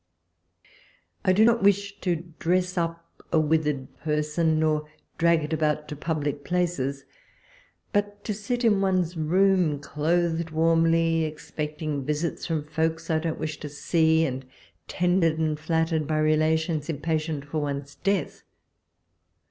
I do not wish to dress up a withered person, nor drag it about to public places ; but to sit in one's room, clothed warmly, expecting visits from folks I don't wish to see, and tended 114 walpole's letters. and flattered by relations impatient for one's death